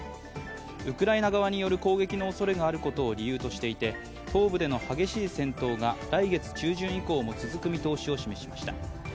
ウクライナ側による攻撃のおそれがあることを理由としていて、東部での激しい戦闘が来月中旬以降も続く見通しを示しました。